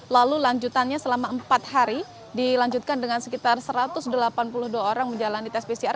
lalu lanjutannya selama empat hari dilanjutkan dengan sekitar satu ratus delapan puluh dua orang menjalani tes pcr